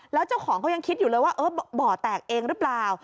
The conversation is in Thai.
แล้วเจ้าของเขายังคิดอยู่เลยว่าบ่อแตกเองหรือเปล่า